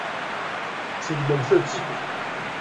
Segnemt-t.